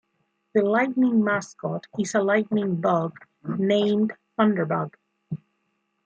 The Lightning mascot is a lightning bug named ThunderBug.